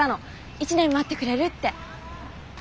１年待ってくれるって。